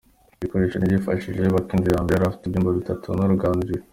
Ibi bikoresho nibyo yifashishije yubaka inzu ya mbere yari ifite ibyumba bitatu n’uruganiriro.